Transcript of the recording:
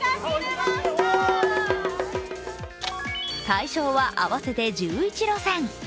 対象は合わせて１１路線。